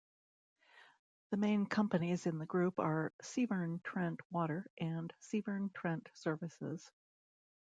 The main companies in the group are Severn Trent Water and Severn Trent Services.